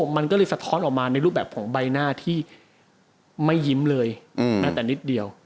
มันก็เลยสะท้อนออกมาในรูปแบบของใบหน้าที่ไม่ยิ้มเลยแม้แต่นิดเดียว